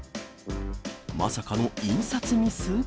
まさかの印刷ミス？